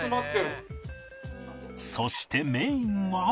そしてメインは